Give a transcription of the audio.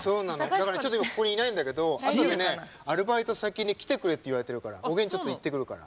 だからちょっと今ここにいないんだけど後でねアルバイト先に来てくれって言われてるからおげんちょっと行ってくるから。